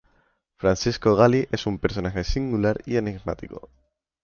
Francisco Gali es un personaje singular y enigmático.